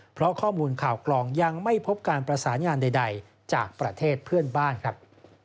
เพราะข้อมูลข่าวกลองยังไม่พบการประสานงานใดจากประเทศเพื่อนบ้านครับ